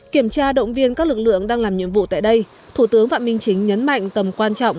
kiểm tra động viên các lực lượng đang làm nhiệm vụ tại đây thủ tướng phạm minh chính nhấn mạnh tầm quan trọng